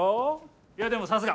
いやでもさすが！